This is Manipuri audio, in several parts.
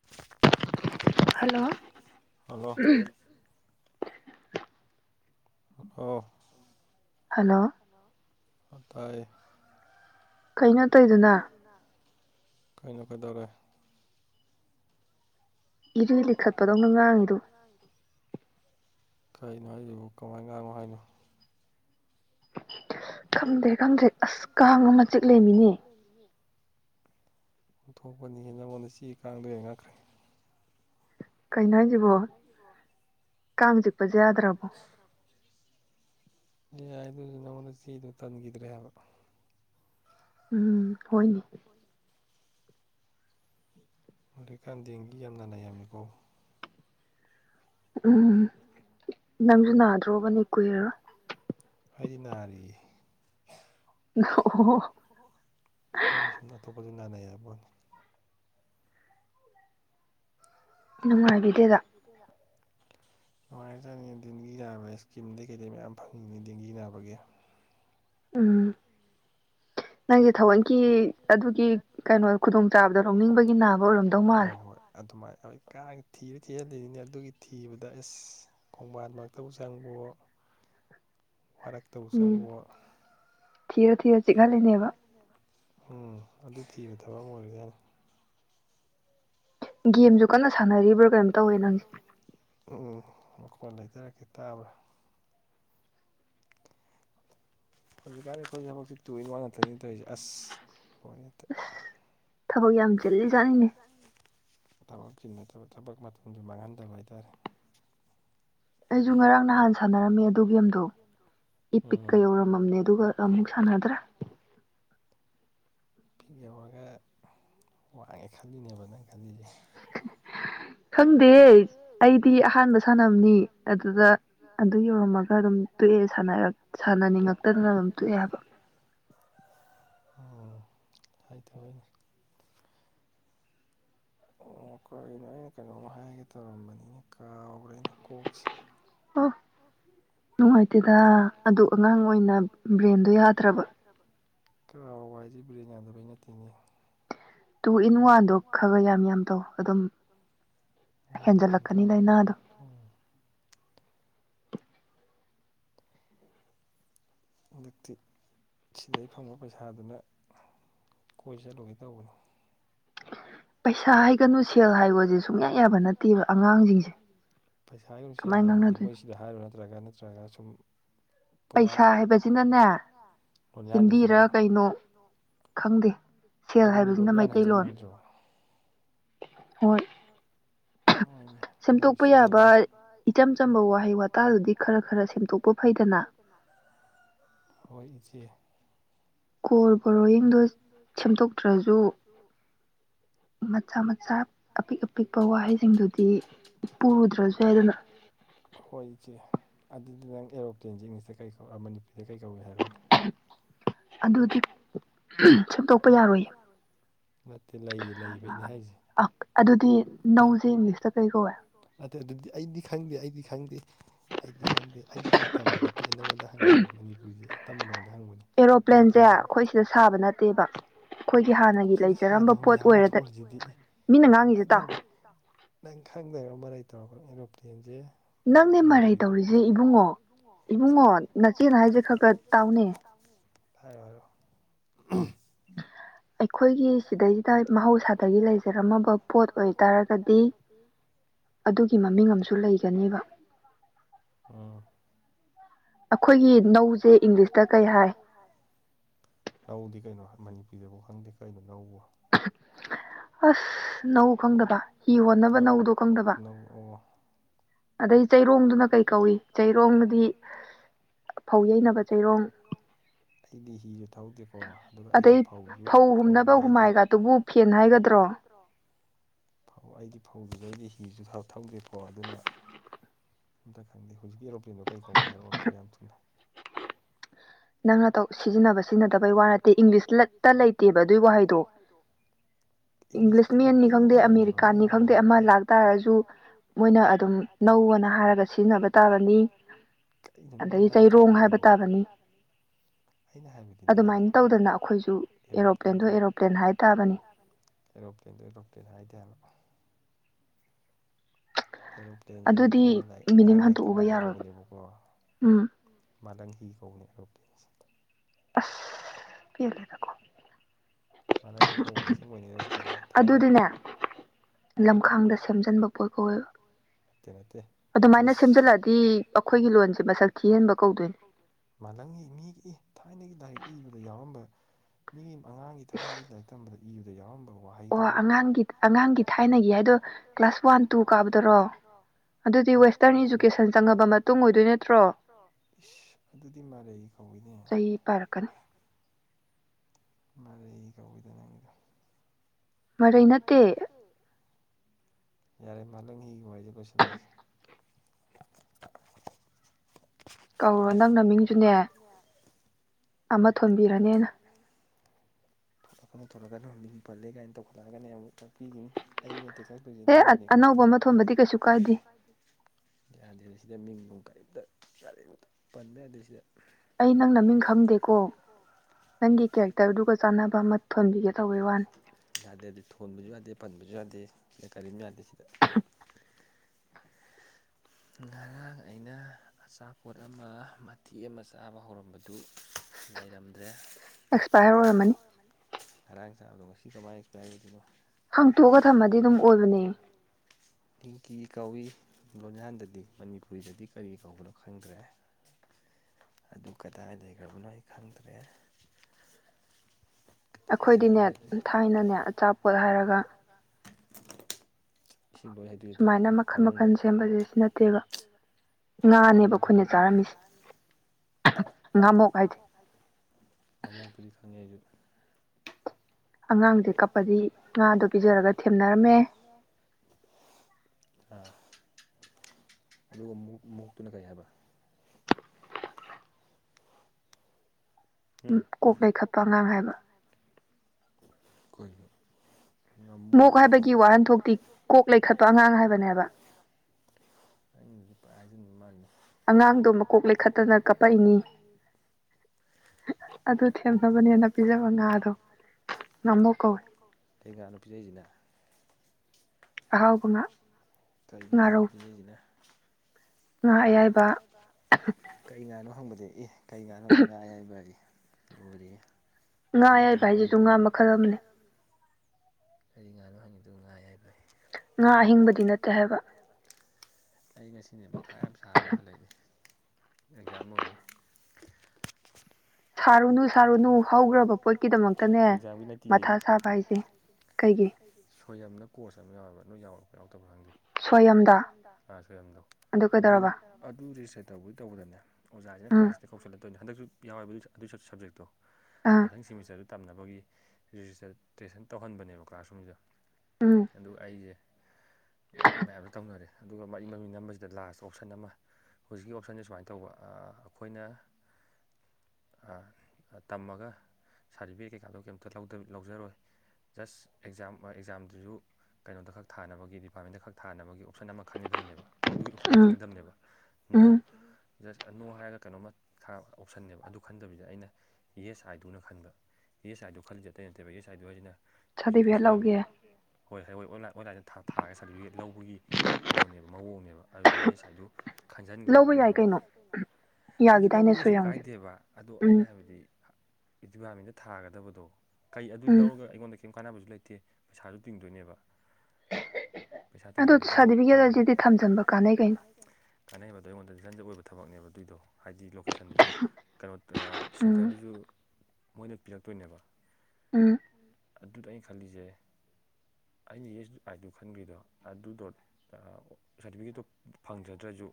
[unintelligible] ꯍꯜꯂꯣ ꯍꯜꯂꯣ ꯑꯣ ꯍꯜꯂꯣ ꯍꯜꯂꯣ ꯇꯥꯏ ꯀꯩꯅꯣ ꯇꯧꯗꯅ ꯀꯩꯅꯣ ꯀꯩꯗꯧꯔꯦ ꯏ ꯂ ꯀꯩꯅꯣ ꯍꯥꯏꯁꯤꯕꯨ ꯀꯃꯥꯏ ꯉꯥꯡꯅꯣ ꯍꯥꯏꯅꯣ ꯈꯪꯗꯦ ꯈꯪꯗꯦ ꯑꯁ ꯀꯥꯡ ꯑꯃ ꯃꯆꯤꯠ ꯂꯩꯃꯤꯅꯦ ꯀꯨꯜꯍꯨ ꯄꯨꯊꯣꯛꯄꯅꯤꯅ ꯅꯉꯣꯟꯗ ꯆꯦ ꯀꯥꯡꯗꯣ ꯌꯥꯡꯉꯛꯈ꯭ꯔꯦ ꯀꯩꯅꯣ ꯍꯥꯏꯁꯤꯕꯣ ꯀꯥꯡ ꯆꯤꯛꯄꯁꯦ ꯌꯥꯗ꯭ꯔꯕꯣ ꯑꯦ ꯑꯩ ꯑꯗꯨꯁꯨ ꯅꯪꯉꯣꯟꯗ ꯆꯦꯗ ꯇꯟꯈꯤꯗ꯭ꯔꯦ ꯍꯥꯏꯕ ꯎꯝ ꯍꯣꯏꯅꯦ ꯃꯂꯤꯀꯥꯟꯗꯦꯡꯒꯤ ꯌꯥꯝ ꯅꯥꯅ ꯌꯥꯝꯃꯤꯀꯣ ꯎꯝ ꯅꯪꯁꯨ ꯅꯥꯗ꯭ꯔꯣꯕꯅꯦ ꯀꯨꯏꯔꯣ ꯍꯥꯏꯗꯤ ꯅꯥꯔꯤꯌꯦ ꯃꯤ ꯁꯨꯝꯅꯅꯥꯇꯣꯞꯄꯁꯤ ꯅꯥꯩ ꯌꯥꯕꯅꯤ ꯅꯨꯡꯃꯒꯤꯗꯗ ꯅꯨꯡꯉꯥꯏꯖꯅꯤ ꯗꯦꯡꯒꯤ ꯅꯥꯕ ꯏꯁꯀꯤꯝꯗꯤꯩ ꯀꯩꯗꯩ ꯃꯌꯥꯝ ꯐꯪꯉꯤꯤ ꯗꯦꯡꯒꯤ ꯅꯥꯕꯒꯤ ꯎꯝ ꯅꯪꯒꯤ ꯊꯕꯛꯒꯤ ꯑꯗꯨꯒꯤ ꯀꯩꯅꯣ ꯈꯨꯗꯣꯡ ꯆꯥꯕꯗꯣ ꯂꯧꯅꯤꯡꯕꯒꯤ ꯅꯥꯕ ꯑꯣꯏꯔꯝꯗꯧ ꯃꯥꯜꯂꯦ ꯑꯗꯨꯃꯥꯏꯅ ꯑꯩ ꯀꯥꯏ ꯊꯤꯕ ꯊꯤꯍꯜꯂꯤꯅꯤꯅꯦ ꯑꯗꯨꯒꯤ ꯊꯤꯕꯗ ꯑꯦꯁ ꯈꯣꯡꯕꯥꯟ ꯋꯥꯔꯛꯇꯕꯨ ꯆꯪꯕ ꯋꯥꯔꯛꯇꯧꯕ ꯆꯪꯕꯣ ꯊ ꯎꯝ ꯑꯗꯨ ꯊꯤꯕ ꯊꯕꯛ ꯑꯃ ꯑꯣꯏꯔꯗꯤ ꯌꯥꯅꯤ ꯒꯦꯝꯁꯨ ꯀꯟꯅ ꯁꯥꯟꯅꯔꯤꯕ꯭ꯔꯥ ꯀꯩꯅꯝ ꯇꯧꯋꯦ ꯅꯪꯁꯦ ꯎꯝ ꯑꯩꯈꯣꯏ ꯂꯩꯊꯔꯛꯀꯦ ꯇꯥꯕ꯭ꯔꯥ ꯍꯧꯖꯤꯛꯀꯥꯟꯗꯤ ꯑꯩꯈꯣꯏ ꯊꯕꯛꯁ ꯇꯣꯏꯅ ꯋꯥ ꯉꯥꯛꯇꯅꯤ ꯇꯧꯔꯤꯁꯦ ꯑꯁ ꯄꯣꯅꯤ ꯑꯁ ꯊꯕꯛ ꯌꯥꯝ ꯆ ꯆꯥꯠꯅꯤꯅꯦ ꯊꯕꯛꯁꯤ ꯅꯠꯇꯕ ꯊꯕꯛ ꯃꯇꯝꯁ ꯃꯥꯡꯍꯟꯗꯕ ꯍꯥꯏꯇꯥꯔꯦ ꯑꯩꯁꯨ ꯉꯔꯥꯡ ꯅꯍꯥꯟ ꯁꯥꯟꯅꯔꯝꯃꯤ ꯑꯗꯨ ꯒꯦꯝꯗꯣ ꯏ ꯄꯤꯛꯀ ꯌꯧꯔꯝꯃꯝꯅꯦ ꯑꯗꯨꯒ ꯑꯃꯨꯛ ꯁꯥꯟꯅꯗ꯭ꯔꯦ ꯐꯤꯒꯦ ꯍꯧꯔꯒ ꯋꯥꯡꯉꯦ ꯈꯜꯂꯤꯅꯦꯕ ꯅꯪ ꯈꯜꯂꯤꯁꯦ ꯈꯪꯗꯦ ꯑꯩꯗꯤ ꯑꯍꯥꯟꯕ ꯁꯥꯟꯅꯕꯅꯤ ꯑꯗꯨꯗ ꯑꯗꯨ ꯌꯧꯔꯝꯃꯒ ꯑꯗꯨꯝ [inaudible] [inaudible] ꯑꯣ ꯀꯔꯤꯅꯣ ꯑꯩꯅ ꯀꯩꯅꯣꯝ ꯍꯥꯏꯒꯦ ꯇꯧꯔꯝꯕꯅꯤꯅꯦ ꯀꯥꯎꯈ꯭ꯔꯦꯅꯦ ꯀꯣꯛꯁꯦ ꯑꯣ ꯅꯨꯡꯉꯥꯏꯇꯦꯗ ꯑꯗꯨ ꯑꯉꯥꯡ ꯑꯣꯏꯅ ꯕ꯭ꯔꯦꯟꯗꯣ ꯌꯥꯗ꯭ꯔꯕ ꯈ꯭ꯔꯕ ꯌꯥꯎꯕ ꯍꯥꯥꯏꯗꯤ ꯕꯔꯦꯟ ꯌꯥꯗꯕꯩ ꯅꯠꯇꯦꯅꯦ ꯇꯨ ꯏꯟ ꯋꯥꯟꯗꯣ ꯈꯔ ꯈ ꯌꯥꯝ ꯌꯥꯝ ꯇꯧ ꯑꯗꯨꯝ ꯍꯦꯟꯖꯜꯂꯛꯀꯅꯤ ꯂꯥꯏꯅꯥꯗꯣ ꯎꯨꯝ ꯍꯟꯗꯛꯇꯤ ꯁꯤꯗꯩ ꯐꯪꯕ ꯄꯩꯁꯥꯗꯨꯅ ꯀꯣꯏ ꯆꯠꯂꯨꯒꯦ ꯇꯧꯕꯅꯤ ꯄꯩꯁꯥ ꯍꯥꯏꯒꯅꯨ ꯁꯦꯜ ꯍꯥꯏꯌꯨ ꯍꯥꯏꯕꯁꯦ ꯁꯨꯡꯌꯥ ꯌꯥꯕ ꯅꯠꯇꯦꯕ ꯑꯉꯥꯡꯁꯤꯡꯁꯦ ꯄꯩꯁꯥꯒꯤ ꯅꯨꯡꯁꯤꯦꯜ ꯍꯥꯏꯕꯗꯤ ꯃꯣꯏꯁꯤꯗ ꯍꯥꯏꯔꯨ ꯅꯠꯇ꯭ꯔꯒ ꯅꯠꯇ꯭ꯔꯒ ꯁꯨꯝ ꯄꯨꯔꯥ ꯄꯨꯌꯥꯟꯅꯤꯁꯤꯔꯕ ꯑꯗꯨꯅꯤ ꯂꯣꯜꯌꯥꯟ ꯍꯥꯏꯖ ꯑꯗꯨ ꯅꯠꯇꯔꫭ ꯍꯣꯏ ꯎꯨꯝ ꯍꫭꯏ ꯁꯦꯜꯗꫭ ꯁꯦꯝ ꯗꫭꯛꯄ ꯌꯥꯕ ꯏꯆꯝ ꯆꯝꯕ ꯋꯥꯍꯩ ꯋꯥꯇꯥꯗꯨꯗꯤ ꯈꯔ ꯈꯔ ꯁꯦꯡꯗꯣꯛꯄ ꯐꯩ ꯍꯣꯏ ꯏꯆꯦ ꯀꯣꯔ ꯕꯣꯔꯣꯌꯦꯡꯗꯣ ꯁꯦꯝꯗꯣꯛꯇ꯭ꯔꯁꯨ ꯃꯆꯥ ꯃꯆꯥ ꯑꯄꯤꯛ ꯑꯄꯤꯛꯄ ꯋꯥꯍꯩꯁꯤꯡꯗꯨꯗꯤ ꯄꯨꯔꯨꯗ꯭ꯔꯁꯨ ꯌꯥꯏꯗꯅ ꯍꯣꯏ ꯏꯆꯦ ꯑꯗꯨꯗꯤ ꯅꯪ ꯑꯦꯔꯣꯄ꯭ꯂꯦꯟꯁꯦ ꯏꯪꯂꯤꯁꯇ ꯀꯩ ꯀꯧ ꯃꯅꯤꯄꯨꯔꯤꯗ ꯀꯩ ꯀꯧꯏ ꯍꯥꯏꯔꫭꯅꯦ ꯑꯗꯨꯗꯤ ꯇꫭꯛꯄ ꯌꯥꯔꯣꯏ ꯅꯠꯇꯦ ꯂꯩꯌꯦ ꯂꯩꯕꯩꯅꯦ ꯍꯥꯏꯔꯤꯁꯦ ꯑꯗꯨꯗꯤ ꯑꯗꯨ ꯑꯗꯨꯗꯤ ꯑꯩꯗꯤ ꯈꯪꯗꯦ ꯑꯩꯗꯤ ꯈꯪꯗꯦ ꯑꯩꯗꯤ ꯈꯪꯗꯦ ꯑꯩꯗꯤ ꯇꯝꯕ ꯅꯠꯇꯦ ꯅꯉꯣꯟꯗ ꯍꯪꯕꯅꯤ ꯃꯅꯤꯄꯨꯔꯒꯤ ꯇꯝꯕ ꯅꯉꯣꯟꯗ ꯍꯪꯕꯅꯤ ꯑꯦꯔꯣꯄ꯭ꯂꯦꯟꯁꯦ ꯑꯩꯈꯣꯏ ꯁꯤꯗ ꯁꯥꯗꯕ ꯃꯌꯥꯝ ꯑꯃ ꯊꯣꯜꯂꯤꯁꯤꯗꯤ ꯑꯩꯅ ꯍꯥꯏ ꯅꯪ ꯈꯪꯗꯅꯥ ꯃꯔꯩ ꯇꯧꯔꯛꯀꯅꯨ ꯏꯔꯣꯄꯂꯦꯟꯁꯦ ꯅꯪꯅꯦ ꯃꯔꯩ ꯇꯧꯔꯤꯁꯦ ꯏꯕꯨꯡꯉꯣ ꯏꯕꯨꯡꯉꯣ ꯅꯆꯦꯅ ꯍꯥꯏꯖꯦ ꯈꯔꯥ ꯈꯔꯥꯁꯨ ꯇꯥꯎꯅꯦ ꯍꯥꯏꯔꯛꯑꫭ ꯍꯥꯏꯔꯛꯑꫭ ꯎꯨꯝ ꯑꯩꯈꯣꯏꯒꯤ ꯁꯤꯗꯩꯁꯤꯗ ꯃꯍꯧꯁꯥꯗꯒꯤ ꯂꯩꯖꯔꯝꯃꯕ ꯄꯣꯠ ꯑꯣꯏꯇꯥꯔꯒꯗꯤ ꯑꯗꯨꯒꯤ ꯃꯃꯤꯡ ꯑꯃꯁꯨ ꯂꯩꯒꯅꯦꯕ ꯎꯨꯝ ꯑꯩꯈꯣꯏꯒꯤ ꯅꯧꯁꯦ ꯏꯪꯂꯤꯁꯇ ꯀꯩ ꯍꯥꯏ ꯂꯧꯗꯤ ꯀꯩꯅꯣ ꯃꯅꯤꯄꯨꯔꯤꯗꯐꯥꯎ ꯈꯪꯗꯦ ꯀꯩꯅꯣ ꯅꯧꯕꫭ ꯑꯁ ꯅꯧ ꯈꯪꯗꯕ ꯍꯤ ꯍꯣꯟꯅꯕ ꯅꯧꯗꯣ ꯈꯪꯗꯕ ꯑꯗꯩ ꯆꯩꯔꯣꯡꯗꯨꯅ ꯀꯩ ꯀꯧꯏ ꯆꯩꯔꯣꯡꯗꯨꯗꯤ ꯐꯧ ꯌꯩꯅꯕ ꯆꯩꯔꯣꯡ ꯑꯩꯗꯤ ꯍꯤꯁꯨ ꯊꯧꯗꯦ ꯑꯣ ꯑꯗꯨꯒ ꯑꯩ ꯐ ꯐꯁꯨ ꯌꯗꯦ [unintelligible] ꯐꯧ ꯑꯩꯗꯤ ꯐꯧꯗꯨꯗꯩꯗꯤ ꯍꯤꯁꯨ ꯊꯧꯗꯦꯀꯣ ꯑꯗꯨꯅ ꯑꯝꯇ ꯈꯪꯗꯦ ꯍꯧꯖꯤꯛꯀꯤ ꯑꯦꯔꯣꯄ꯭ꯂꯦꯟꯗꯣ ꯀꯩ ꯀꯧꯒꯦ ꯍꯥꯏꯔꯣ ꯑꯝꯇ ꯌꯥꯝ ꯊꯨꯅꯥ ꯅꯪꯅꯧ ꯁꯤꯖꯤꯟꯅꯕ ꯁꯤꯖꯤꯟꯅꯗꯕꯩ ꯋꯥ ꯅꯠꯇꯦ ꯏꯪꯂꯤꯁꯛꯇ ꯂꯩꯇꯦꯕ ꯑꯗꯨꯒꯤ ꯋꯥꯍꯩꯗꯣ ꯏꯪꯂꯤꯁ ꯃꯦꯟꯅꯤ ꯈꯪꯗꯦ ꯑꯃꯦꯔꯤꯀꯥꯟꯅꯤ ꯈꯪꯗꯦ ꯑꯃ ꯂꯥꯛꯇꯥꯥꯔꯁꯨ ꯃꯣꯏꯅ ꯑꯗꯨꯝ ꯅꯧ ꯅꯧ ꯑꯅ ꯍꯥꯏꯔꯒ ꯁꯤꯖꯤꯟꯅꯕ ꯇꯥꯕꯅꯤ ꯀꯩꯅꫭ ꯅꯪꯅ ꯅꫭꯎ ꯇꯧꯈꯠꯂꯛꯏ ꯑꯩꯅ ꯍꯥꯏꯕ ꯑꯗꯨꯃꯥꯏꯅ ꯇꯧꯗꯅ ꯑꯩꯈꯣꯏꯣꯄ꯭ꯂ ꯑꯦꯔꯣꯄ꯭ꯂ ꯍꯥꯏ ꯇꯔꯒꯅꯦ ꯑꯦꯔꯣꯄ꯭ꯂꯦꯟꯗꯣ ꯑꯦꯔꯣꯄ꯭ꯂꯦꯟ ꯍꯥꯏꯗꯦ ꯍꯥꯏꯕ ꯑꯦꯔꯣꯄ꯭ꯂꯦꯟꯁꯦ ꯊꯥꯏꯅ ꯂꯥꯏꯔꯛ ꯑꯉꯥꯡ ꯂꯥꯏꯔꯤꯛ ꯇꯝꯕꯗ ꯌꯥꯎꯕꯅꯦꯕꯀꯣ ꯃꯂꯥꯜꯍꯤ ꯀꯧꯕꯧꯅꯦ ꯍꯥꯏꯕ ꯑꯁ ꯐꯤꯂꯗ ꯃꯥ ꯅꯪꯒꯤ ꯀꯧꯕꯅ ꯁꯦꯝꯦꯡꯕꯣꯏꯅꯤ ꯑꯗꯨ ꯊꯥꯏꯅ ꯑꯗꯨꯅꯦ ꯂꯝꯈꯥꯡꯗ ꯁꯦꯝꯖꯤꯟꯕ ꯄꯣꯠꯣ ꯠꯇꯦ ꯅꯠꯇꯦ ꯑꯗꯨꯃꯥꯏꯅ ꯁꯦꯝꯖꯤꯜꯂꯛꯑꯗꯤ ꯑꯩꯈꯣꯏꯒꯤ ꯂꯣꯟꯁꯦ ꯃꯁꯛ ꯊꯤꯍꯟꯕ ꯀꯧꯗꯣꯏ ꯃꯥꯂꯪꯒꯤ ꯃꯤꯒꯤ ꯏ ꯊꯥꯏꯅꯒꯤ ꯂꯥꯏꯔꯤꯛ ꯏꯕꯗ ꯌꯥꯎꯔꯝꯕ ꯃꯤꯒꯤ ꯑꯉꯥꯡꯒꯤ ꯊꯥꯏꯅ ꯂꯥꯏꯛ ꯇꯝꯕꯗ ꯏꯕ ꯌꯥꯎꯔꯝꯕ ꯋꯥꯍꯗꯨ ꯑꯉꯥꯡꯗꯤ ꯑꯉꯥꯡꯗꯤ ꯊꯥꯏꯅꯒꯤ ꯍꯥꯏꯗꯣ ꯀ꯭ꯂꯥꯁ ꯋꯥꯟ ꯇꯨ ꯀꯥꯕꯗꯔꯣ ꯋꯟꯪꯉ ꯃꯇꯨꯡ ꯑꯣꯏꯗꯣꯏ ꯅꯠꯇ꯭ꯔꯣ ꯏꯁ ꯑꯗꯨꯗꯤ ꯃꯥꯂꯩ ꯇꯧꯋꯤꯅꯦ ꯀꯅꯥ ꯃꯔ ꯑꯩ ꯀꯧꯏꯤꯗ ꯅꯪꯒꯤꯗꯣ ꯃꯔꯩ ꯅꯠꯇꯦ ꯌꯥꯔꯦ ꯃꯥ ꯅꯪ ꯍꯤ ꯉꯥꯏꯁꯦ ꯀꯣꯏꯁꯤꯜꯂꯁꯤꯦ ꯀꯧꯔꯣ ꯅꯪꯅ ꯃꯤꯡꯁꯨꯅꯦ ꯑꯃ ꯊꯣꯟꯕꯤꯔꯅꯦꯅ ꯑ ꯊꯣꯛꯣꯂꯛꯀꯅ ꯊꯣꯛꯣꯂꯛꯀꯅ ꯃꯤꯡ ꯄꯜꯂꯦ ꯀꯥꯏꯅ ꯇꯧꯈꯠꯂꯛꯑꯒꯅ ꯑꯃꯨꯛ ꯇꯥꯛꯄꯤꯈꯤꯅꯤ ꯑꯩ ꯅꯠꯇꯦ ꯀꯛꯇꯣꯏꯔꯤꯁꯦ ꯅꯪꯗꯤꯅꯦ ꯌꯥꯗꯦ ꯁꯤꯗ ꯃꯤꯡ ꯅꯨꯡ ꯀꯔꯤꯝꯇ ꯀꯔꯤꯝꯇ ꯄꯟꯗꯦ ꯑꯗꯨ ꯁꯤꯗ ꯑꯩ ꯅꯪꯅ ꯃꯤꯡ ꯈꯪꯗꯦꯀꯣ ꯑꯗꯨꯀꯣ ꯅꯪꯒꯤ ꯊꯌꯦꯇꯔꯗꯨꯒ ꯀꯥꯟꯅꯕ ꯃꯇꯝꯗꯨꯒ ꯊ ꯋꯥꯏ ꯌꯥꯗꯦ ꯑꯗꯨꯗ ꯊꯣꯟꯕꯁꯨ ꯌꯥꯗꯦ ꯄꯟꯕꯁꯨ ꯌꯥꯗꯦꯗ ꯀꯔꯤꯝ ꯌꯥꯗꯦ ꯁꯤꯗ [unintelligible] ꯉꯔꯥꯡ ꯑꯩꯅ ꯑꯆꯥꯄꯣꯠ ꯑꯃ ꯃꯊꯤ ꯑꯃ ꯆꯥꯕ ꯍꯧꯔꯝꯕꯗꯨ ꯂꯩꯔꯝꯗ꯭ꯔꯦ ꯉꯔꯥꯡ ꯆꯥꯕꯗꯣ ꯉꯁꯤ ꯀꯃꯥꯏꯅ ꯑꯦꯛꯁꯄꯤꯌꯔ ꯑꯣꯏꯗꯣꯏꯅꯣ ꯍꯥꯡꯇꯣꯛꯑꯒ ꯊꯝꯃꯗꯤ ꯑꯗꯨꯝ ꯑꯣꯏꯕꯅꯦ ꯤꯡꯀꯤ ꯀꯧꯋꯕꯤ ꯂꯣꯟꯌꯥꯟꯗꯗꯤ ꯃꯅꯤꯄꯨꯔꯤꯗꯗꯤ ꯀꯔꯤ ꯀꯧꯕꯅꯣ ꯈꯪꯗ꯭ꯔꯦ ꯑꯗꯨ ꯀꯗꯥꯏ ꯂꯩꯈ꯭ꯔꯕꯅꯣ ꯑꯩ ꯈꯪꯗ꯭ꯔꯦ ꯑꯩꯈꯣꯏꯗꯤꯅꯦ ꯊꯥꯏꯅꯅꯦ ꯑꯆꯥꯄꯣꯠ ꯍꯥꯏꯔꯒ ꯏꯁꯤꯡ ꯂꯣꯏ ꯍꯥꯏ ꯁꯨꯃꯥꯏꯅ ꯃꯈꯟ ꯃꯈꯟ ꯁꯦꯝꯕꯁꯦ ꯁꯤ ꯅꯠꯇꯦꯕ ꯅꯤ ꯀ ꯇꯥ ꯑꯃꯨꯛꯇꯗꯤ ꯈꯪꯉꯦ ꯑꯩꯁꯨ ꯑꯉꯥꯡꯁꯦ ꯀꯞꯄꯗꯤ ꯉꯥꯗꯣ ꯄꯤꯖꯔꯒ ꯊꯦꯝꯅꯔꯝꯃꯦ ꯑꯗꯨꯒ ꯃꯨꯛꯇꯨꯅ ꯀꯩ ꯍꯥꯏꯕ ꯀꯀꯩ ꯈ ꯍꯥꯏꯅ ꯣꯛ ꯀꯣꯛ ꯍꯥꯏꯕꯒꯤ ꯋꯥꯍꯟꯊꯣꯛꯇ ꯀꯣꯛ ꯂꯩꯈꯠꯇ꯭ꯔꯣ ꯑꯉꯥꯡ ꯍꯥꯏꯕꯅꯤꯗꯣ ꯑꯩꯅꯁꯨ ꯄ ꯍꯥꯏꯖꯤꯟꯕ ꯃꯥꯜꯂꯦ ꯑꯉꯥꯡꯗꯣ ꯃꯀꯣꯛ ꯂꯩꯈꯠꯇꯅ ꯀꯞꯄꯛꯏꯅꯤ ꯑꯗꯨ ꯊꯦꯝꯅꯕꯅꯦꯅ ꯄꯤꯖꯕ ꯉꯥꯗꯣ ꯉꯝꯃꯣ ꯀꯧꯋꯦ ꯑꯩ ꯉꯥꯡ ꯅꯨꯄꯤꯖꯩꯁꯤꯅ ꯀꯔꯤ ꯃꯥꯟꯅꯣ ꯄꯤꯅꯦꯁꯤꯅ ꯀꯩ ꯉꯥꯅꯣ ꯍꯪꯕꯗꯤ ꯏ ꯀꯩ ꯉꯥꯅꯣꯣ ꯉꯥ ꯑꯌꯥꯏꯕꯏ ꯂꯣꯏꯔꯦ ꯀꯃꯥꯏꯅ ꯇꯝꯃꯤ ꯃꯅꯤꯄꯨꯔꯤꯅꯣ ꯀꯔꯤ ꯉꯥꯅꯣ ꯍꯪꯉꯤꯗꯨ ꯉꯥꯏ ꯍꯥꯏꯕ ꯑꯩ ꯉꯁꯤꯅꯦ ꯃꯊꯥ ꯌꯥꯝ ꯁꯥꯔꯒ ꯍꯜꯂꯛꯏꯦ ꯑꯦꯛꯖꯥꯝ ꯑꯣꯏꯔꯒ ꯔꯨꯅꯨ ꯁꯥꯔꯨꯅꯨ ꯍꯧꯈ꯭ꯔꯛꯖꯥꯝꯒꯤꯠꯇꯦ ꯁꯣꯏꯔꯅ ꯀꯣꯔꯁ ꯑꯃ ꯌꯥꯎꯕ ꯅꯣꯏ ꯌꯥꯎꯔꯛꯄ ꯌꯥꯎꯗꯕꯥ ꯈꯪꯗꯦ ꯁꯣꯏꯔꯗꯣ ꯑꯗꯨ ꯑꯗꯨ ꯔꯦꯖꯤꯁꯇꯔ ꯇꯧꯕꯒꯤ ꯇꯧꯕꯗꯅꯦ ꯑꯣꯖꯥꯁꯤꯅ ꯀ꯭ꯂꯥꯁ ꯀꯧꯁꯤꯜꯂꯛꯇꯣꯏꯅꯤ ꯍꯟꯗꯛꯁꯨ ꯌꯥꯎꯋ‌ꯦꯕ ꯑꯗꯨ ꯑꯗꯨꯏ ꯁꯞꯖꯦꯛꯇꯣ ꯃꯊꯪ ꯁꯦꯃꯤꯁꯇꯔ ꯇꯝꯅꯕꯒꯤ ꯔ‌ꯦꯖꯤꯇꯔ ꯇꯔ‌ꯦꯁꯟ ꯇꯧꯍꯟꯕꯅꯦꯕ ꯀ꯭ꯂꯥꯁꯔꯨꯝꯁꯤꯗ ꯎꯝ ꯑꯗꯨꯒ ꯑꯩꯖ‌ꯦ ꯃꯌꯥꯝ ꯃꯌꯥꯝꯁꯨ ꯇꯧꯅꯔꯦ ꯑꯗꯨꯒ ꯃꯔꯤ ꯃꯔꯤ ꯅꯝꯕꯁꯤꯗ ꯂꯥꯁ ꯑꯣꯞꯁꯟ ꯑꯃ ꯍꯧꯖꯤꯛꯀꯤ ꯑꯣꯞꯁꯟꯁꯦ ꯁꯨꯃꯥꯏꯅ ꯇꯧꯕ ꯑꯥ ꯑꯩꯈꯣꯏꯅ ꯑꯥ ꯇꯝꯃꯒ ꯁꯥꯔꯇꯤꯐꯤꯀꯦꯠ ꯀꯩꯀꯥꯗꯣ ꯀꯩꯝꯇ ꯂꯧꯗꯕꯤ ꯂꯧꯖꯔꯣꯏ ꯖꯁ ꯑꯦꯛꯖꯥꯝ ꯑꯦꯛꯖꯥꯝꯗꯨꯁꯨ ꯀꯩꯅꯣꯗ ꯈꯛ ꯊꯥꯅꯕꯒꯤ ꯗꯤꯄꯥꯔꯠꯃꯦꯟꯗ ꯈꯛ ꯊꯥꯅꯕꯒꯤ ꯑꯣꯞꯁꯟ ꯑꯃ ꯈꯟꯒꯗꯝꯅꯦꯕ ꯑꯗꯨꯏ ꯑꯣꯞꯁꯟꯗꯣ ꯈꯟꯒꯗꯕꯅꯦꯕ ꯅꯣ ꯖꯁ ꯑ ꯅꯣ ꯍꯥꯏꯔꯒ ꯀꯩꯅꯣꯝꯃ ꯊꯥꯕ ꯑꯣꯞꯁꯟꯅꯦꯕ ꯑꯗꯨ ꯈꯟꯗꯕꯤꯗ ꯑꯩꯅ ꯌ‌ꯦꯁ ꯑꯥꯏꯗꯨꯅ ꯈꯟꯕ ꯌ‌ꯦꯖ ꯑꯥꯏꯗꯨ ꯈꯜꯂꯤꯁꯦ ꯑꯇꯩ ꯅꯠꯇꯦꯕ ꯑꯦꯁ ꯑꯥꯏꯗꯨ ꯍꯥꯏꯁꯤꯅ ꯍꯧꯖꯤꯛꯀꯤ ꯁ꯭ꯋꯥꯌꯝꯒꯤꯗꯣ ꯍꯣꯏ ꯍ ꯍꯣꯏ ꯑꯣꯟꯂꯥꯏ ꯑꯣꯟꯂꯥꯏꯟꯗ ꯊꯥꯔꯒ ꯁꯥꯔꯇꯤꯐꯤꯀꯦꯠ ꯂꯧꯕꯒꯤ ꯀꯩꯅꯣꯅꯦꯕ ꯃꯑꯣꯡꯅꯦꯕ ꯑꯗꯨꯗꯒꯤ ꯉꯁꯥꯏꯗꯨ ꯈꯟꯖꯟꯈ꯭ꯔꯦꯕ ꯑꯩꯅ ꯍꯪꯕ ꯂꯧꯕ ꯌꯥꯏ ꯀꯩꯅ‌ꯣ ꯑꯗꯨ ꯂꯧꯕꯗꯤ ꯀꯩꯁꯨ ꯀꯥꯏꯗꯦꯕ ꯑꯩꯅ ꯍꯥꯏꯕꯗꯤ ꯗꯤꯄꯥꯔꯠꯃꯦꯟꯗ ꯊꯥꯒꯗꯕꯗꯣ ꯀꯩ ꯑꯗꯨ ꯂꯧꯔꯒ ꯑꯩꯉꯣꯟꯗ ꯀꯩꯝ ꯀꯥꯟꯅꯕꯁꯨ ꯂꯩꯇꯦ ꯄꯩꯁꯥꯁꯨ ꯇꯤꯡꯗꯣꯏꯅꯦꯕ ꯄꯩꯁꯥ ꯇꯤꯡꯉ ꯍꯥꯏꯗꯤ ꯑꯗꯨ ꯇꯧꯕꯒꯤ [unintelligible] ꯀꯥꯏꯅꯩꯕꯗꯣ ꯑꯩꯉꯣꯟꯗꯗꯤ ꯖꯟꯖ ꯑꯣꯏꯕ ꯊꯕꯛꯅꯦꯕ ꯑꯗꯨꯏꯗꯣ ꯍꯥꯏꯗꯤ ꯂꯣꯀꯦꯁꯟꯗꯨꯁꯨ ꯀꯩꯅꯣ ꯑꯥ ꯁꯦꯟꯇꯔꯗꯨꯁꯨ ꯃꯣꯏꯅ ꯄꯤꯔꯛꯇꯣꯏꯅꯦꯕ ꯎꯝ ꯑꯗꯨꯗ ꯑꯩꯅ ꯈꯜꯂꯤꯁꯦ ꯑꯩꯅ ꯌꯦꯁ ꯑꯥꯏꯗꯨ ꯈꯟꯈ꯭ꯔꯤꯗꯣ ꯑꯗꯨꯗꯣ ꯁꯥꯔꯇꯤꯐꯤꯀꯦꯠꯇꯨ ꯐꯪꯖꯗ꯭ꯔꯁꯨ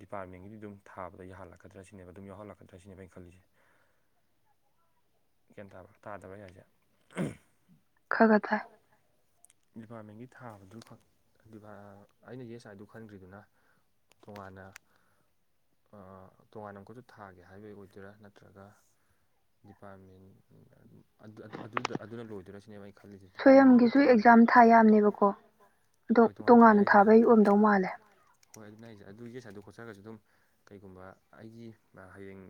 ꯗꯤꯄꯥꯔꯠꯃꯦꯟꯒꯤꯗꯤ ꯗꯨꯝ ꯊꯥꯕꯗ ꯌꯥꯍꯜꯂꯛꯀꯗ꯭ꯔꯥ ꯁꯤꯅꯦꯕ ꯑꯗꯨꯝ ꯌꯥꯎꯍꯜꯂꯛꯀꯗ꯭ꯔꯥ ꯁꯤꯅꯦꯕ ꯑꯩꯅ ꯈꯜꯂꯤꯁꯦ ꯒ꯭ꯌꯥꯟ ꯇꯥꯕꯔ ꯇꯥꯗꯕ꯭ꯔ ꯑꯩꯅ ꯍꯥꯏꯁꯦ ꯈꯔꯛ ꯈꯔꯛ ꯇꯥꯏ ꯈꯔ ꯈꯛ ꯇꯥꯏ ꯗꯤꯄꯥꯔꯠꯃꯦꯟꯒꯤ ꯊꯥꯕꯗꯨꯈꯛ ꯑꯩꯅ ꯌꯦꯁ ꯑꯥꯏꯗꯨ ꯈꯟꯗ꯭ꯔꯤꯗꯨꯅ ꯇꯣꯉꯥꯟꯅ ꯇꯣꯉꯥꯟꯅ ꯑꯃꯨꯛꯀꯁꯨ ꯊꯥꯒꯦ ꯍꯥꯏꯕꯩ ꯑꯣꯏꯗꯣꯏꯔꯥ ꯅꯠꯇ꯭ꯔꯒ ꯗꯤꯄꯥꯔꯠꯃꯦꯟꯗ ꯑꯗꯨ ꯑꯗꯨꯗ ꯑꯗꯨꯅ ꯂꯣꯏꯗꯣꯏꯔ ꯁꯤꯅꯦꯕ ꯑꯩ ꯈꯜꯂꯤꯁꯦ ꯗꯤꯄꯥꯔꯠꯃꯦꯟꯗꯨꯗ ꯊꯥꯔꯒ [unintelligible] ꯍ‌ꯣꯏ ꯇꯣꯉꯥꯟ ꯊꯥꯏ ꯌꯥꯏꯗꯅ ꯇ‌ꯣꯉꯥꯟ ꯊꯥꯕꯩ ꯑꯣꯏꯔꯝꯗꯧ ꯃꯥꯜꯂ‌ꯦ ꯍꯣꯏ ꯑꯗꯨꯅ‌ꯦ ꯍꯥꯏꯖ‌ꯦ ꯑꯗꯨ ꯌꯦꯁ ꯍꯥꯏꯗꯣ ꯈꯣꯠꯆꯔꯒꯁꯨ ꯑꯗꯨꯝ ꯀꯩꯒꯨꯝꯕ ꯑꯩꯒꯤ ꯍꯌꯦꯡ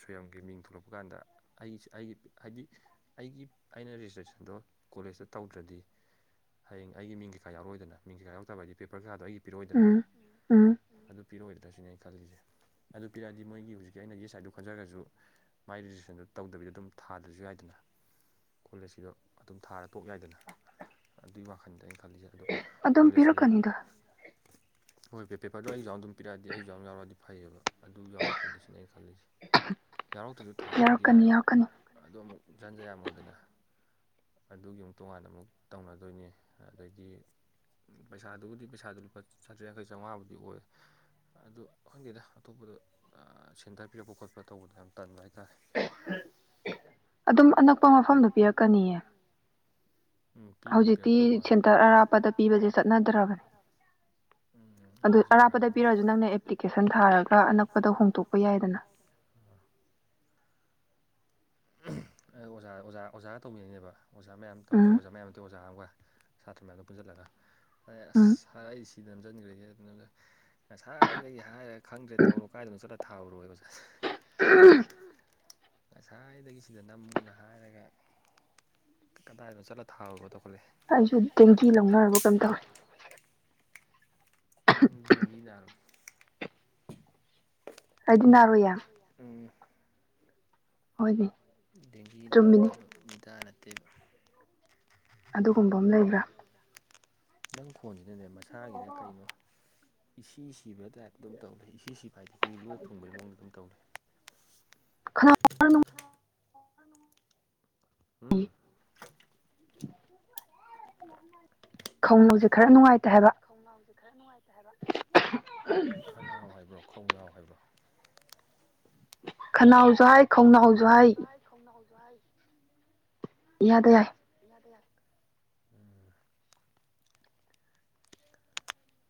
ꯁꯣꯏꯌꯝꯒꯤ ꯃꯤꯡ ꯊꯣꯂꯛꯄ ꯀꯥꯟꯗ ꯑꯩ ꯑꯩꯒꯤ ꯍꯥꯏꯗꯤ ꯑꯩꯒꯤ ꯑꯩꯅ ꯔꯦꯖꯤꯁꯇ꯭ꯔꯦꯁꯟꯗꯣ ꯀꯣꯂꯦꯖꯇ ꯇꯧꯗ꯭ꯔꯗꯤ ꯍꯌ‌ꯦꯡ ꯑꯩꯒꯤ ꯃꯤꯡ ꯀꯩꯥꯀꯥ ꯌꯥꯎꯔꯛꯑꯣꯏꯗꯅ ꯃꯤꯡ ꯀꯩꯀꯥ ꯌꯥꯎꯗꯕ ꯍꯥꯏꯗꯤ ꯄꯦꯄꯔ ꯈꯥꯗꯣ ꯑꯩ ꯄꯤꯔ‌ꯣꯏꯗꯅ ꯑꯗꯨ ꯄꯤꯔ‌ꯑꯣꯏꯗ꯭ꯔꯥ ꯁꯤꯅꯦ ꯑꯩ ꯈꯜꯂꯤꯁ‌ꯦ ꯑꯗꯨ ꯄꯤꯔꯛꯑꯗꯤ ꯃꯣꯏꯒꯤ ꯍꯧꯖꯤꯛ [unintelligible] ꯁꯥꯏꯠꯇꯣ ꯈꯟꯖꯔꯁꯨ ꯃꯥꯒꯤ ꯔꯦꯖꯤꯁꯇ꯭ꯔꯦꯁꯟꯗꯨ ꯇꯧꯗꯕꯤꯗ ꯑꯗꯨꯝ ꯊꯥꯗ꯭ꯔꯁꯨ ꯌꯥꯥꯏꯗꯅ ꯀꯣꯂꯦꯖꯀꯤꯗꯣ ꯑꯗꯨꯝ ꯊꯥꯔ ꯇꯣꯛ ꯌꯥꯏꯗꯅ ꯑꯗꯨꯒꯤ ꯋꯥꯈꯟꯗ ꯑꯩꯅ ꯈꯜꯂꯤꯖ‌ꯦ ꯑꯗꯣ ꯀ‌ꯣꯂꯦꯖꯀꯤꯗ‌ꯣ ꯍꯣꯏ ꯄꯦ ꯄꯦꯄꯔꯗꯣ ꯑꯩ ꯌꯥꯎꯅ ꯑꯗꯨꯝ ꯄꯤꯔꯛꯑꯗꯤ ꯑꯩ ꯑꯩꯖꯨ ꯌꯥꯎ ꯌꯥꯎꯔꯛꯑꯗꯤ ꯐꯩꯌꯦꯕ ꯑꯗꯨ ꯌꯥꯎꯔꯛꯇ꯭ꯔꯗꯤ ꯁꯤꯅ‌ꯦ ꯑꯩ ꯈꯜꯂꯤꯁꯦ ꯌꯥꯎꯔꯛꯇ꯭ꯔꯁꯨ ꯊꯥꯕꯨꯗꯤ ꯌꯥꯏꯕ [unintelligible] ꯑꯗꯣ ꯑꯃꯨꯛ ꯖꯟꯖ ꯌꯥꯝ ꯑꯣꯏꯗꯅ ꯑꯗꯨꯒꯤ ꯑꯃꯨꯛ ꯇꯣꯉꯥꯟꯅ ꯑꯃꯨꯛ ꯇꯧꯅꯗꯣꯏꯅꯤ ꯑꯗꯒꯤ ꯄꯩꯁꯥꯗꯨꯕꯨꯗꯤ ꯄꯩꯁꯥꯗꯨ ꯂꯨꯄꯥ ꯆꯥꯇ꯭ꯔꯦꯠ ꯌꯥꯡꯈꯩ ꯆꯧꯉꯥꯕꯨꯗꯤ ꯑꯣꯏ ꯑꯗꯨ ꯈꯪꯗ‌ꯦꯗ ꯑꯇꯣꯞꯄꯗ [unintelligible] ꯁꯦꯟꯇꯔ ꯄꯤꯔꯛꯄ ꯈꯣꯠꯄ ꯇꯧꯕꯗ ꯌꯥꯝ ꯇꯟꯕ ꯍꯥꯏꯇꯥꯔꯦ ꯑꯗꯨꯝ ꯑꯅꯛꯄ ꯃꯐꯝꯗ ꯄꯤꯔꯛꯀꯅꯤꯌ‌ꯦ ꯍꯧꯖꯤꯛꯇꯤ ꯁꯦꯟꯇꯔ ꯑꯔꯥꯞꯄꯗ ꯄꯤꯕꯁꯦ ꯆꯠꯅꯗ꯭ꯔꯕꯅꯤ ꯑꯗꯨ ꯑꯔꯥꯞꯄꯗ ꯄꯤꯔꯛꯑꯁꯨ ꯅꯪꯅ ꯑꯦꯄ꯭ꯂꯤꯀꯦꯁꯟ ꯊꯥꯔꯒ ꯑꯅꯛꯄꯗ ꯍꯣꯡꯗꯣꯛꯄ ꯌꯥꯏꯗꯅ [inaudible] ꯑꯩ ꯑꯣꯖꯥ ꯑꯣꯖꯥ ꯑꯣꯖꯥꯒ ꯇꯧꯃꯤꯟꯅꯩꯅꯦꯕ ꯑꯣꯖꯥ ꯃꯌꯥꯝ ꯑꯣꯖꯥ ꯃꯌꯥꯝ ꯅꯗ ꯑꯣꯖꯥ ꯑꯃꯒ ꯁꯥꯇ꯭ꯔ ꯃꯌꯥꯝꯗꯣ ꯄꯨꯟꯁꯤꯜꯂꯒ ꯑ ꯑꯁ ꯁꯥꯔ ꯑꯩꯁ ꯁꯤꯗ ꯅꯝꯁꯤꯟꯈ꯭ꯔꯦꯒꯦ ꯑꯗꯨ ꯉꯁꯥꯏꯗꯒꯤ ꯍꯥꯏꯔꯒ ꯈꯪꯗ꯭ꯔꯦ ꯇꯧꯔꯣ ꯀꯥꯏꯗꯅꯣ ꯆꯠꯂ ꯊꯥꯎꯔꯣꯏꯕ [unintelligible] ꯉꯁꯥꯏꯗꯒꯤ ꯁꯤꯗ ꯅꯝꯃꯨꯅ ꯍꯥꯏꯔꯒ ꯀꯗꯥꯏꯅꯣ ꯆꯠꯂ ꯊꯥꯎꯔꯒ ꯇꯧꯈꯠꯂꯦ ꯍꯥꯏ ꯆ ꯂꯕ ꯀꯗ ꯅꯪ ꯗꯦꯡꯒꯤ ꯅꯥꯔ ꯑꯅꯔ ꯍ ꯍꯣꯏꯗꯤ ꯗꯦꯡꯒꯤ ꯅꯥꯒꯗꯕ ꯃꯆꯥ ꯅꯠꯇꯦꯕ ꯑꯗꯨꯒꯨꯝꯕ ꯑꯃ ꯂꯩꯕ꯭ꯔ ꯅꯪ ꯈꯣꯟꯁꯤꯅꯅꯦ ꯃꯁꯥꯒꯤꯗ ꯀꯩꯅꯣ ꯏ ꯁꯤꯕ ꯇꯥꯏꯞꯇ ꯑꯗꯨꯝ ꯇꯧꯔꯦ ꯏ ꯍꯥꯏꯗꯤ ꯑꯩꯈꯣꯏ ꯂꯣꯛ ꯊꯨꯡꯕꯒꯤ ꯃꯑꯣꯗ ꯑꯗꯨꯝ ꯇꯧꯔꯦ ꯈꯔ [inaudible] ꯈꯧꯅꯎꯁꯦ ꯈꯔ ꯅꯨꯡꯉꯥꯏꯇ ꯍꯥꯏꯕ ꯈꯣꯡꯅꯥꯎꯁꯦ ꯈꯔ ꯅꯨꯡꯉꯥꯏꯇ ꯍꯥꯏꯕ ꯈꯅꯥꯎ ꯍꯥꯏꯕ꯭ꯔꯣ ꯈꯣꯡꯅꯥꯎ ꯍꯥꯏꯕ꯭ꯔꯣ ꯈꯅꯥ ꯍꯧꯖ ꯍꯥꯏ ꯈꯅꯥꯎꯖꯥꯏ ꯈꯣꯡꯅꯥꯎꯖꯍꯥꯏ ꯌꯥꯗ ꯌꯥꯏ ꯌꯥꯗꯂ [unintelligible]